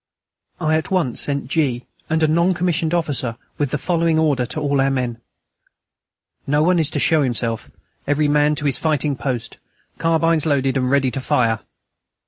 I at once sent G. and a non commissioned officer with the following order to all our men: "No one is to show himself.... Every man to his fighting post!... Carbines loaded and ready to fire!"